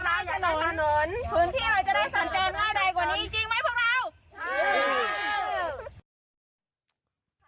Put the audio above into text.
คือที่เราจะได้สัญญาณง่ายในกว่านี้จริงไหมพวกเรา